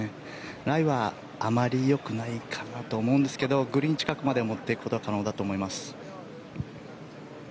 ライはあまりよくないかなと思うんですけどグリーン近くまで持っていくことは可能だと思います。